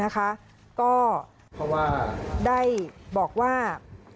ก็ได้บอกว่า